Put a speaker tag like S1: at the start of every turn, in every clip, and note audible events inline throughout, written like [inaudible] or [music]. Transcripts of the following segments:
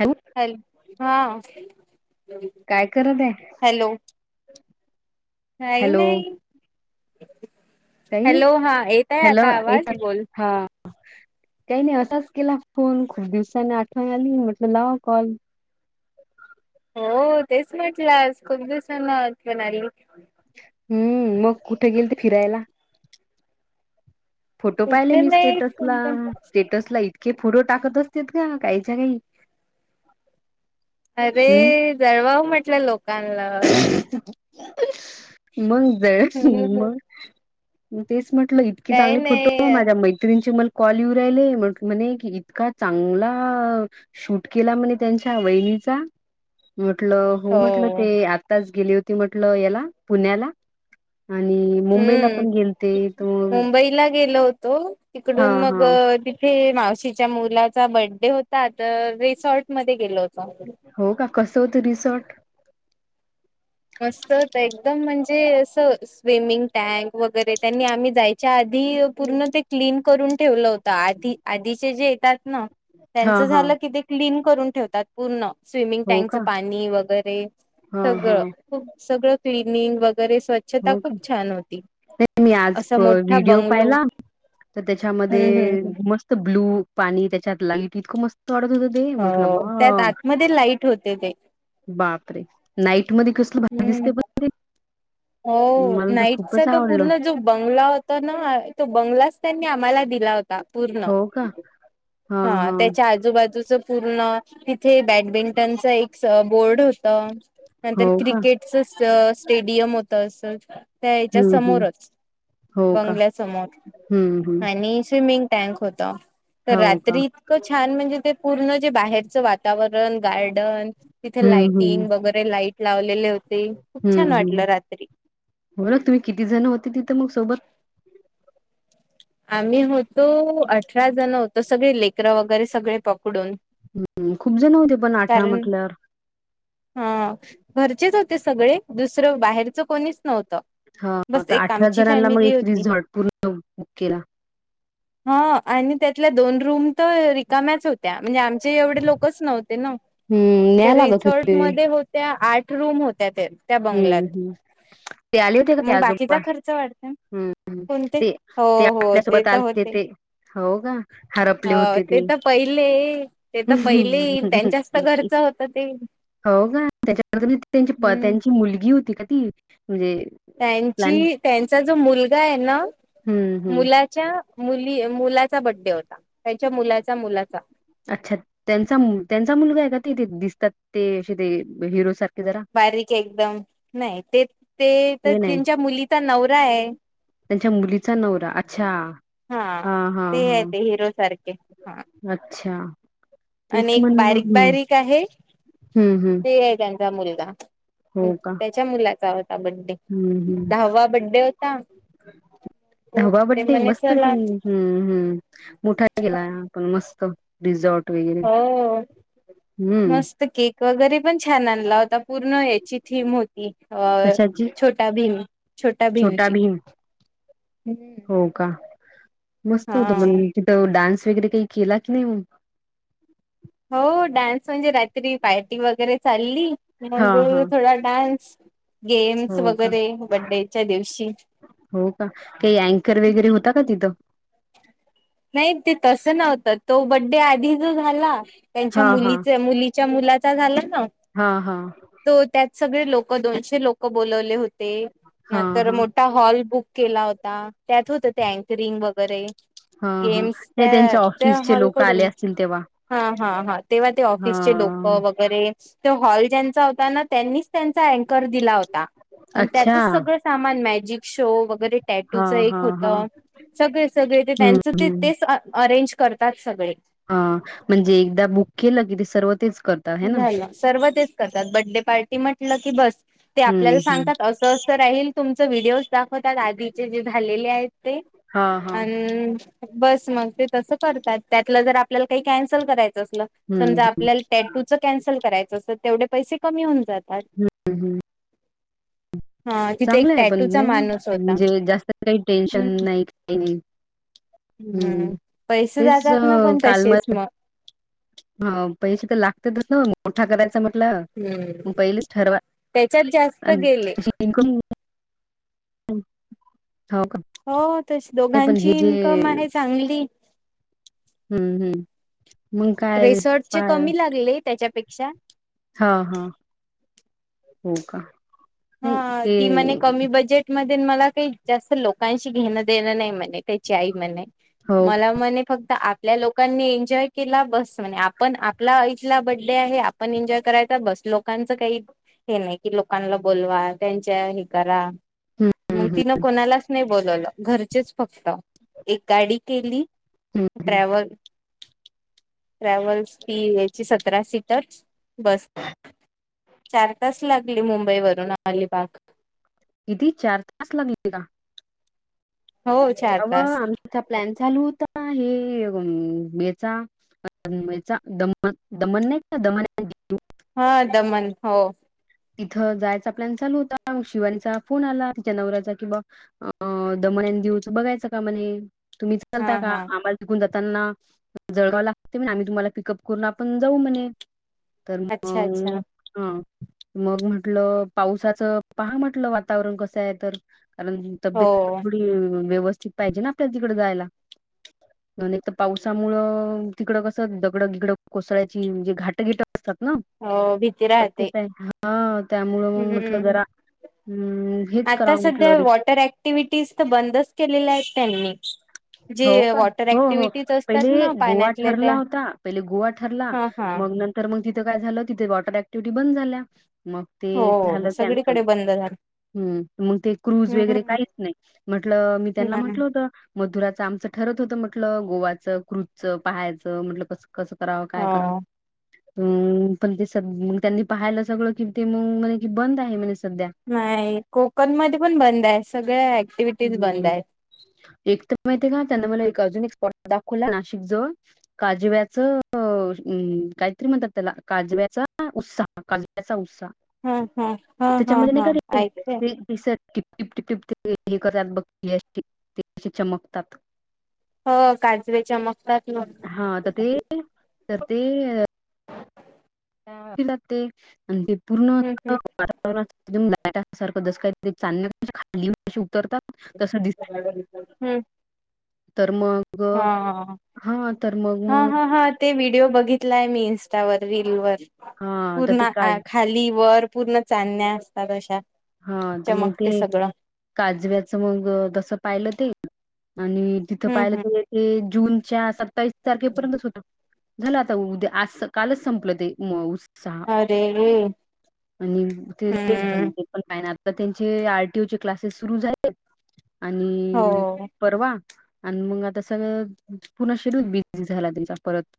S1: Hello
S2: hello! हा
S1: काय करत आहे?
S2: काही
S1: हॅलो
S2: नाही,
S1: काही नाही
S2: हॅलो! हा येतय आता? आवाज बोल.
S1: ह! काही नाही असाच केला फोन. खूप दिवसानी आठवण आली म्हटलं! लावा कॉल. [inaudible]
S2: हो तेच म्हटलं. खूप दिवसांना आठवण आली.
S1: हम्म! मग कुठे गेल ते फिरायला? फोटो पाहिले
S2: कुठे
S1: मी
S2: नाही
S1: स्टेटसला. स्टेटसला इथ. हे फोटो टाकत असतत्या काहीच्या काही.
S2: अरे
S1: हम्
S2: जळवाव म्हटलं लोकांला.
S1: मग जळ
S2: हम्म
S1: मग तेच म्हटल. इतकी
S2: काही
S1: चांगली फोटो
S2: नाही
S1: माझ्या मैत्रीणी ची म्हटल. कॉल येऊ राहिले म्ह म्हणे की, इतका चांगला शूट केला म्हणे, त्यांच्या वहि म्हटल हो म्हटल. आताच गेली होती म्हटल, याला पुण्याला. आणि मुंबईला पण
S2: हम्म
S1: गेलते तर
S2: मुंबईला गेलो होतो.
S1: हा
S2: तिकडून मग
S1: हा
S2: अ तिथे मावशीच्या मुलाचा बर्थडे होता. तर रिसॉर्ट मध्ये गेलो होतो.
S1: हो का कसं होत रिसॉर्ट?
S2: मस्त होत एकदम! म्हणजे, अस स्विमिंग टँक वगैरे त्यांनी आम्ही जाय च्या आधी पूर्ण ते क्लीन करून ठेवल होत. आधी आधीचे जे येतात ना
S1: हा
S2: त्यांच
S1: हा
S2: झाल की ते क्लीन करून ठेवतात पूर्ण. स्विमिंग
S1: हो का
S2: टँकचं पाणी वगैरे
S1: हा हा
S2: सगळ. सगळ क्लिअनिंग वगै वगैरे स्व्छता
S1: हो
S2: खूप
S1: का
S2: छान होती.
S1: मी आज
S2: असा मोठा
S1: व्हिडिओ
S2: बंगलो,
S1: पाहिला तर
S2: हम्म हम्म
S1: त्याच्यामध्ये
S2: हम्म.
S1: मस्त ब्ल्यू पाणी त्याच्यात लाईट इतकं मस्त. इतक मस्त वाटत होत ते मस्त
S2: हो त्यात
S1: वा!
S2: आतमध्ये लाईट होते ते
S1: बाप रे! नाईट मध्ये कसल भारी
S2: हम्म
S1: दिसते पण.
S2: हो
S1: मला तर
S2: नाईट चा
S1: खूपच
S2: तो
S1: आवडलं
S2: पूर्ण जो बंगला होता ना, तो बंगलाच त्यांनीआम्हा दिला होता पूर्ण
S1: हो का हा
S2: ह
S1: हा
S2: त्याच आजुबाजु‌ बाजूच पूर्ण तिथे बॅडमिंटनच एक स बोर्ड होत‌.
S1: हो
S2: नंतर
S1: का
S2: क्रिकेटच स्ट स्टेडियम होत असच. त्या याच्या
S1: हम्म हम्म
S2: समोरच
S1: हो का हम्म
S2: बंगल्यासमोर
S1: हम्म
S2: आणि स्विमिंग टॅक होत तर
S1: हो का
S2: रात्री इतकं छान म्हणजे ते पूर्ण. बाहेरच वातावरण गार्डन तिथे
S1: हम्म हम्म
S2: लायटिंग वगैरे, लाईट लावलेले होते खूप छान
S1: हम्म हम्म
S2: वाटलं रात्री
S1: बर त तुम्ही किती जण होते तिथं मग सोबत.
S2: आम्ही होतो अठरा जण होतो सगळे लेकरं वगैरे सगळे पकडून
S1: हम्म हम्म खूप जण होते पण अठरा म्हटल्यावर
S2: हम घरचेच होते सगळे दुसरं बाहेरचं कोणीच नव्ह त बस
S1: आता
S2: एक
S1: अठरा
S2: आमची
S1: जणांना मग
S2: फॅमिली
S1: एक
S2: होती.
S1: रिझॉर्ट पूर्ण बुक केला.
S2: हा. आणि त्यातल दोन रूम त रिकाम्या च होत्या म्हणजे आमचे एवढे लोकच नव्ह तेन
S1: हम्म
S2: ते
S1: न्याय लागत
S2: रिसॉर्ट
S1: होते.
S2: मध्ये होत्या आठ रूम होत्या. त्या-त्या त्या बंगलात.
S1: हम्म हम्म ते आले होते का ते
S2: मग
S1: आजोबा
S2: बाकीचा खर्च वाढत
S1: हम्म
S2: कोणते
S1: ते
S2: हो.
S1: ते
S2: हो ते
S1: आपल्यासोबत
S2: तिथे
S1: आलते
S2: होते
S1: ते हो का हरपले
S2: ह
S1: होते
S2: ते तर पहिले. ते तर पहिले त्यांच्यास्त घरच होत ते
S1: हो का त्याच्या [inaudible] प
S2: हम्म
S1: त्यांची मुलगी होती का ती प्लॅन
S2: त्यांची त्यांचा जो मुलगा आहे ना
S1: हम्म हम्म
S2: मुलाच्या मुल ती मुलाचा बड्डे होता त्यांच्या, मलचा मुलाचा..
S1: अच्छा त्यांचा मु त्यांचा मुलगा आहे का ते दिसतात. ते असे ते हिरो सारख
S2: बारीक एकदम नाही ते ते तर
S1: ते नाही
S2: त्यांच्या मुलीचा नवरा आहे.
S1: त्यांच्या मुलीचा नवरा अच्छा हा. हा.
S2: ते आहे
S1: हा.
S2: ते हिरो सारखे हा
S1: अच्छा तेच
S2: आणि एक
S1: म्हणलं
S2: बारीक,
S1: हम्म
S2: बारीक आहे
S1: हम्म हम्म
S2: ते आहे त्यांचा मुलगा.
S1: हो का
S2: त्याच्या मुलाचा होता बड्डे
S1: हम्म हम्म
S2: दहावा बड्डे होता.
S1: [unintelligible] दहावा
S2: ते
S1: बड्डे
S2: म्हणे
S1: मस्त
S2: चला
S1: पण हम्म. हम्म मोठा केेला पण मस्त रिझॉर्ट वगैरे
S2: हो
S1: हम्म.
S2: मस्त केक वगैरे पण छान आणला होता पूर्ण याची थीम होती अ
S1: कशाची
S2: छोट्या भीम छोट्या भीमची
S1: ह [inaudible]
S2: हम्म.
S1: मस्त होत मन तिथं डान्स वगैरे काही केलात की नाही मन
S2: हो डान्स म्हणजे रात्री पार्टी वगैरे चाल अल्ली
S1: हा
S2: मंग
S1: हा
S2: थोडा डान्स. गेम्स
S1: हो का
S2: वगैरे बड्डे च्या दिवशीच
S1: हो का काही ॲकर वगैरे होता का तिथं
S2: नाही ते तस नव्हतं तो बड्डे आधी जो झाला. त्यांच्या
S1: हा हा
S2: मुलीचे, मुलीच्या, मुलाचा झाला ना,
S1: हा हा
S2: तो त्यात सगळे लोक दोनशे लोक बोलवले होते
S1: हा
S2: नंतर
S1: हा
S2: मोठा हॉल बुक केला होता. त्यात होत ते ॲकरिंग वगैरे
S1: हा हा
S2: गेम्स
S1: नाही
S2: त्या
S1: त्यांच्या
S2: त्या
S1: ऑफिसचे लोक आले
S2: हॉलकडून
S1: असतील तेव्हा
S2: ह. हा हा तेव्हा ते
S1: हा
S2: ऑफिसचे लोक वगैरे तो हॉलच्याचा होता ना, त्यांनीच. त्याचा ॲकर दिला होता अन
S1: अच्छा
S2: त्याचा सगळ सामान मॅजिक शो वैग बर
S1: हा
S2: टॅटूच एक
S1: हा
S2: होत
S1: हा
S2: सगळे, सगळे ते
S1: हम्म
S2: त्यांचं ते
S1: हम्म
S2: तेच, तेच अ अरेंजज करतात सगळे.
S1: हा म्हणजे एकदा बुक केलं की सर्व तेच करता है ना
S2: झाल सर्व तेच करतात बड्डे पार्टी म्हटलं की बस ते आपल्याला
S1: हम्म हम्म.
S2: सांगतात असं असं राहील तुमच व्हिडिओज दाखवतात आधीचे जे झालेले आहेत. ते
S1: हा हा.
S2: अन. बस मग ते तस करतात त्यातलं जर आपल्याला काही कॅन्सल करायचं असल
S1: हम्म
S2: समजा
S1: हम्म
S2: आपल्या तूच कॅन्सल करायचं अस तेवढे पैसे कमी होऊन जातात.
S1: हम्म हम्म.
S2: हा तिथे एक
S1: चांगलं आहे पण
S2: टॅटूचा
S1: नाही ना
S2: माणूस होता
S1: म्हणजे जास्त काही
S2: हम्म
S1: टेन्शन नाही काही नाही. हम्म
S2: पैसे
S1: तेच
S2: जातात ना पण
S1: कालम.
S2: तसेच मग
S1: ह पैसे तर लागतेच ना मोठा करायचा म्ह
S2: हम्म
S1: ल पहिलीच ठरवा
S2: त्याच्यात जास्त गेले
S1: [unintelligible] [unintelligible]
S2: हो तशी
S1: नाही पण हे
S2: दोघांची
S1: जे
S2: इन्कम आहे चांगली.
S1: हम्म हम्म. मग काय
S2: रिसॉर्टचे
S1: पा
S2: कमी लागले त्याच्यापेक्षा
S1: हा हा हो का. नाही
S2: हा
S1: ते
S2: ती म कमी बजेट मध्ये म का जात लोकांशी घेण देण नाही म्हणे त्याची आई म्हणे
S1: हो का
S2: मला म्हणे फक्त आपल्या लोकांनी एन्जॉय केला बस म्हणजे आपण आपला आईतला बडडे आहे आपण एन्जॉय कराय बस लोकांच काही नाही क लोकांना बोलवा त्यांच्या हे करा
S1: हम्म
S2: मग
S1: हम्म
S2: तिन कोणालाच नाही बो बोलवलं घरचेच फक्त एक गाडी केली
S1: हम्म हम्म
S2: ट्रॅवल ट्रॅव्हल्स ती याची सतरा सीटच बस चार तास लागली मुंबई वरून अलिबाग.
S1: कधी चार तास लागले का.
S2: हो चार
S1: अवं
S2: तास
S1: आमचा प्लॅन चालू होता हे याचा. दमन दमन नाही दमन. [unintelligible]
S2: हा दमन हो.
S1: तिथं जायचा प्लॅन चालू होता शिवानीचा फोन आला तिच्या नवऱ्याचा किंवा दम बघाच का तुम्हील
S2: हा
S1: का
S2: हा
S1: आम्हालान जात [unintelligible] ताना जळगाव लागते म्ह आम्ही तुम्हाला पिकअप करून आपण जाऊ म्हणे. तर
S2: अच्छा अच्छा
S1: मग हा. मग म्हटलं पावसाचं पहा म्हटलं वातावरण कसं आहे तर कारण
S2: हो
S1: तब्येत पण थोडी व्यवस्थित पाहिजे ना आपल्या तिकड जायला. एक पावसामुळ तिकड कस दगड गिगड कोसळयची म्हणजे घाटघिट असतात ना
S2: हो भीती राहते
S1: शक्यता आहे हा त्यामुळ मग म्हटलं
S2: हम्म
S1: जरा हम्म हेच
S2: आता
S1: करावं म्हटलं
S2: सध्या
S1: रि
S2: वॉटर ऍक्टिव्हटीज तर बंदच केलेल्या आहेत त्यांनी
S1: [unintelligible] हो
S2: जे
S1: का
S2: वॉटर
S1: हो हो
S2: ऍक्टिव्हिटीज असतात
S1: पहिले
S2: ना
S1: गोवा
S2: पाण्यातल्या त्या
S1: ठरला होता पहिले गोवा ठरला
S2: हा हा
S1: मग नर मग तिथं काय झालं तिथे वॉटर ऍक्टिव्हटी बंद झाल्या मग ते
S2: हो
S1: झालं कॅन्सल
S2: सगळीकडे बंद झालं
S1: हम्म मग ते क्रुज वगैरे
S2: हम्
S1: काहीच नाही म्हटलं मी त्यांना
S2: नाही
S1: म्हटलं होत आमच ठरत होत म्हटलं गोवाचं क्रुज चं पहायचं म्हटलं कस कसं करावं काय करावं
S2: हो
S1: अ पण ते सग त्यांनी पाहायला सगळं कि ते मग म्ह की बंद आहे म्हणे सध्या.
S2: नाही कोकण मध्ये पण बंद आहे सगळ.
S1: हम्म एक तर माहिती का त्यांना मला अजून एक स्पॉट दाखवला नाशिक जवळ काजव्याचं काहीतरी म्हणतात त्याला काजव्या उत्साह काचा उत्साह
S2: हा हा हा हा
S1: त्याच्यामध्ये
S2: हा
S1: नाही
S2: ऐकते
S1: दिसत. टिपटिप टिपप हे करतात बघ चमकतात.
S2: हो काजवेच्या चमकतात
S1: हा तर ते
S2: मग
S1: तर ते लागते आणि ते पूर्ण
S2: हम् हम्
S1: वातावरन [unintelligible]
S2: [unintelligible]
S1: तर मग
S2: हा
S1: हा तर मग
S2: हा
S1: मग
S2: हा हा ते वि व्हिडिओ बघितलाय मी इंस्टावर. रील वर.
S1: हा तर ते
S2: पूर्ण
S1: का
S2: अ खाली वर पूर्ण चांण्या असतात अशा
S1: हा तर मग ते
S2: चमकते सगळं
S1: काजव्याचं मग कस पाहिलं ते आणि तिथं
S2: हम्म
S1: पाहिलं
S2: हम्म
S1: तर ते जूनच्या सत्तावीस तारखेपर्यंतच होत झालं आता उद्या आज कालच संपलं ते मऊस सहा
S2: अरे
S1: आणि ते लेट झा
S2: हम्म
S1: [unintelligible] काय नाय आता त्यांचे आर, टी, ओ चे क्लासेस सुरू झालेत
S2: हो
S1: आणि परवा आणि मग आता सगळं पुन्हा शिडूल बिझी झाला त्यांचा परत.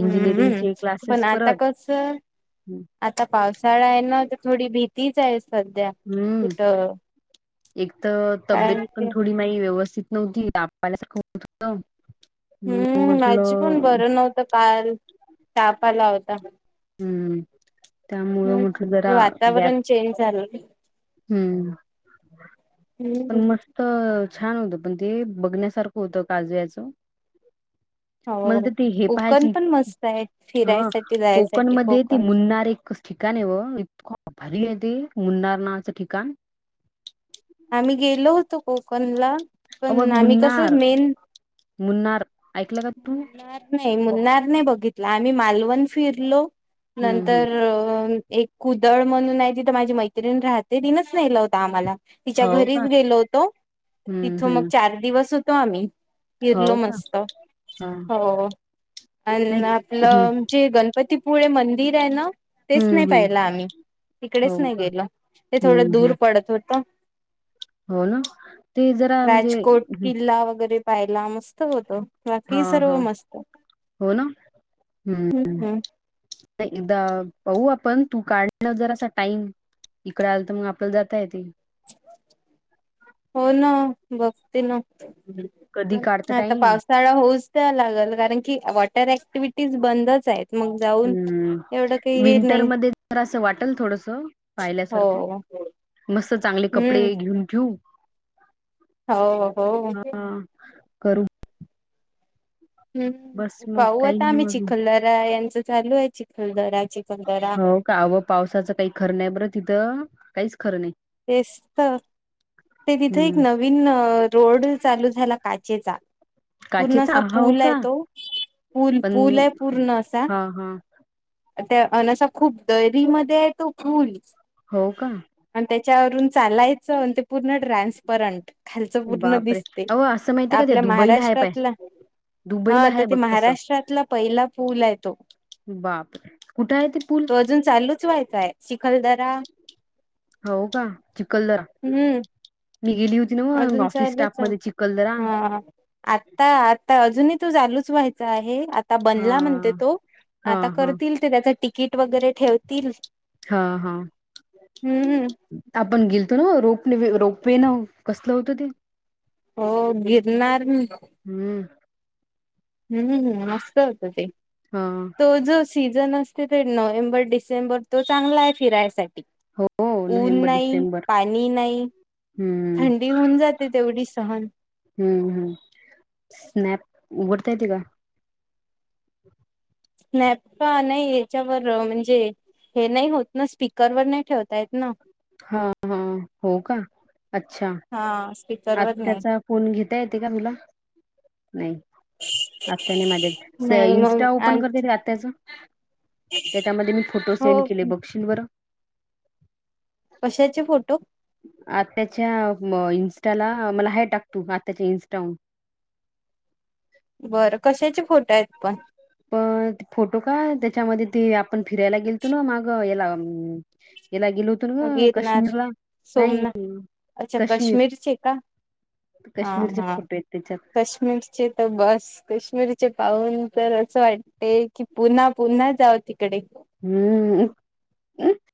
S2: हम्म, पण
S1: क्लासेस
S2: आता
S1: परत
S2: कस आता पावसाळा आहे ना थोडी भीतीच आहे सध्या
S1: हम्म
S2: कुठं
S1: एक तर तब्येत
S2: कारण
S1: पण
S2: की
S1: थोडी माही व्यवस्थित नव्हती ताप आल्यासारखं होत होत.
S2: हम्म माझी पण बरं नव्हतं काल ताप आला होता.
S1: हम्म त्यामुळं
S2: हम्म
S1: म्हटलं जरा गॅप
S2: वातावरण चेंज झालं
S1: हम्म
S2: हम्म
S1: पण मस्त छान होत पण ते बघण्यासारखं होतं काजव्याचं. मला
S2: हो
S1: तर ते हे
S2: कोकण
S1: पाहायची
S2: पण मस्त आहे
S1: ह
S2: फिरायसाठी
S1: कोकण
S2: जायसाठी
S1: मध्ये ती
S2: कोकण
S1: मुन्नार एक ठिकाण आहे व इतक भारी आहे ते मुन्नार नावाच ठिकाण.
S2: आम्ही गेलो होतो कोकणला
S1: अ
S2: पण आम्ही कस
S1: मुन्नार
S2: मेन
S1: मुन्नार ऐकलं का तुम्ही
S2: नाही मुनणार नाही बघितला आम्ही मालवण फिरलो
S1: हम्म हम्म
S2: नंतर एक कुदळ म्हणून आहे तिथं माझी मैत्रिण राहते तिनच नेलं होतं आम्हाला. तिच्या
S1: हो का
S2: घरीच गेलो होतो
S1: हम्म
S2: तिथं मग
S1: हम्म
S2: चार दिवस होतो आम्ही.
S1: हो
S2: फिरलो
S1: का
S2: मस्त
S1: हा
S2: हो.
S1: नाही
S2: अन
S1: हम्म
S2: आपलं जे गणपतीपुळे मंदिर आहे ना? तेच
S1: हम्म
S2: नाही
S1: हम्म
S2: पाहिलं आम्ही तिकडेच
S1: हो
S2: नाही
S1: का
S2: गेलो ते थोडं
S1: हम्म
S2: दूर
S1: हम्म
S2: पडत होत.
S1: हो ना ते जरा म्हणजे
S2: राजकोट
S1: हम्म,
S2: किल्ला वगैरे पाहिला मस्त होतो.
S1: हा
S2: बाकी सर्व
S1: हा
S2: मस्त
S1: हो ना
S2: हम्म हम्म.
S1: एकदा पाहू आपण तू काढण जरासा टाईम. इकडे आलं तर मग आपल्याला जाता येते.
S2: हो ना बघते ना. हा
S1: कधी काढता
S2: आता
S1: टाईम
S2: पावसाळा होऊच तर लागल कारण की वा र ऍक्टिव्हीटीज बंदच आहेत. मग जाऊन
S1: हम्म
S2: एवढं काही हे नाही
S1: विंटरमध्ये तर असं वाटेल थोडस पाहिल्यासारखं
S2: हो
S1: मस्त चांगले
S2: हम्म
S1: कपडे घेऊन ठेऊ
S2: हो हो.
S1: हा करू बस
S2: हम्म
S1: मग
S2: पाहू
S1: काही
S2: आता
S1: नाही
S2: आम्ही
S1: अजून
S2: चिखलदरा यांचं चालू आहे. चिखलदरा चिखलदरा
S1: हो का व पावसाचं काही खरं नाही बरं तिथं, काहीच खरं नाही.
S2: तेच तर ते तिथे एक
S1: हम्म
S2: नवीन रोड चालू झाला काचेचा पूर्ण
S1: काचेचा
S2: असा
S1: हो
S2: पूल आहे
S1: का
S2: तो. पूल
S1: पण
S2: पूल आहे पूर्ण असा.
S1: हा हा
S2: त्या अन आसा खूप दरी मध्ये आहे तो फुल.
S1: हो का
S2: आणि त्याच्यावरून चालायचं अन ते पूर्ण ट्रान्सपरंट खालच पूर्ण
S1: बापरे
S2: दिसते
S1: अहो असं माहितीय का त्या
S2: आपल्या
S1: दुबईला आहे पाय
S2: महाराष्ट्रातला हा
S1: दुबईला
S2: आता
S1: आहे
S2: ते
S1: बघ तसं
S2: महाराष्ट्रातला पहिला पूल आहे तो.
S1: बापरे कुठं आहे ते पूल
S2: तो अजून चालूच व्हायचाय. शिखलदरा
S1: हो का चिखलदरा मी गेली होती ना मग
S2: अजून
S1: ऑफिस स्टाफ
S2: चालूच
S1: मध्ये चिखलदरा
S2: हा आता आता अजून चालूच व्हायचा आहे आता
S1: हा
S2: बनला म्हणते तो
S1: हा
S2: आता
S1: हा
S2: करतील त्याला टीक वगैरे ठेवतील
S1: हा हा
S2: हम्म
S1: आपण गेलतो नव रोप रोपवे न कसलं होतं ते?
S2: हो गिरणार
S1: हम्म
S2: हम्म हम्म हम्म मस्त होत ते.
S1: हा
S2: तो जो सीझन असते ते नोव्हेंबर, डिसेंबर तो चांगला आहे फिरायसाठी.
S1: हो
S2: ऊन
S1: नोव्हेंबर
S2: नाही.
S1: डिसेंबर
S2: पाणी नाही.
S1: हम्म
S2: थंडी होऊन जाते तेवढी सहन.
S1: हम्म हम्म स्नॅप उघडता येते का?
S2: स्नॅप का नाही याच्यावर म्हणजे हे नाही होत ना, स्पीकरवर नाही ठेवता येत ना.
S1: हा हा हो का अच्छा
S2: हा स्पीकरवर नाही
S1: आत्याचा फोन घेता येते का तुला? नाही आत्याने माझ्या
S2: नाही मग
S1: इन्स्टा
S2: आ
S1: ओपन करते का आत्याचं. त्यामध्ये मी फोटो
S2: हो
S1: सेंड केले. बघशील बंर.
S2: कशाचे फोटो.
S1: आत्याच्या अ इंस्टाला मला हे टाक तू आत्याच्या इन्स्टावरून. [inaudible]
S2: बरं कशाचे फोटं आहेत पण.
S1: पण फोटो का त्याच्यामध्ये त आपण फिरायला गेलतो ना. मग याला अ याला गेलो होतो ग
S2: गिरणार
S1: काश्मीरला. नाही
S2: सोमनाथ अच्छा
S1: काश्मीर
S2: काश्मीरचे का हा
S1: काश्मीरचे
S2: हा
S1: फोटो आहेत त्याच्यात.
S2: कश्मीरचे तर बस कश्मीरचे पाहून तर असं वाटतंय की पुन्हा पुन्हा जावती
S1: हम्म